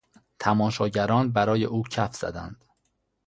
تماشاگران برای او کف زدند.